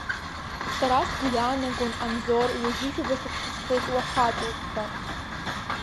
Сара сгәы иаанагон Анзор ҩеижәижәаба шықәса зхыҵуа хаҵоуп ҳәа!